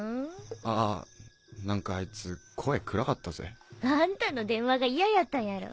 あ何かあいつ声暗かったぜ。あんたの電話が嫌やったんやろ。